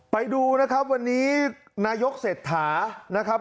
ไปดูนะครับวันนี้นายกเศรษฐานะครับ